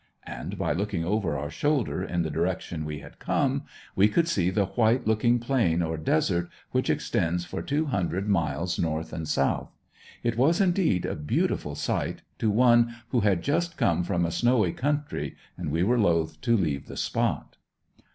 And by looking over our shoulder, in the direction we had come, we could see the white looking plain or desert, which extends for two hundred miles north and south. It was indeed a beautiful sight, to one who had just come from a snowy country, and we were loath to leave the spot.